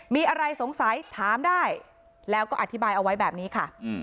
มีอะไรสงสัยถามได้แล้วก็อธิบายเอาไว้แบบนี้ค่ะ